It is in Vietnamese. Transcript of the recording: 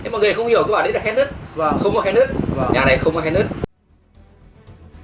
mọi người không hiểu cứ bảo đây là khen nứt không có khen nứt nhà này không có khen nứt